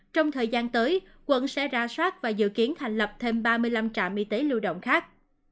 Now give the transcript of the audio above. trong thời gian tới quận sẽ ra soát và dự kiến thành lập thêm ba mươi năm trạm y tế lưu động khác